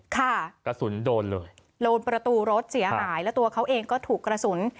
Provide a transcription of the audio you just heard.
กระสุนโดนเลยโดนประตูรถเสียหายแล้วตัวเขาเองก็ถูกกระสุน